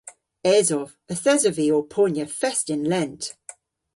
Esov. Yth esov vy ow ponya fest yn lent.